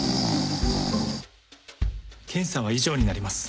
検査は以上になります。